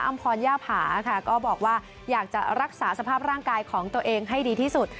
พรย่าผาค่ะก็บอกว่าอยากจะรักษาสภาพร่างกายของตัวเองให้ดีที่สุด